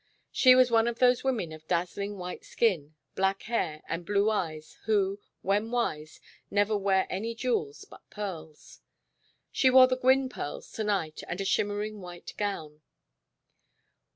She was one of those women of dazzling white skin, black hair and blue eyes, who, when wise, never wear any jewels but pearls. She wore the Gwynne pearls to night and a shimmering white gown.